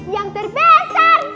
yang tertingin uranus